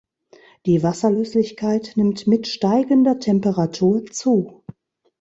Die Wasserlöslichkeit nimmt mit steigender Temperatur zu.